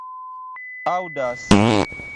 aŭdas